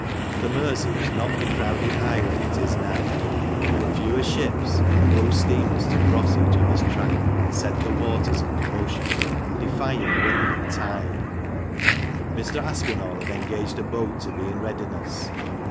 The Mersey was not the crowded highway it is now — there were fewer ships and no steamers to cross each other's track, and set the waters in commotion, defying wind and tide. Mr. Aspinall had engaged a boat to be in readiness.